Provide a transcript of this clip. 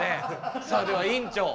さあでは院長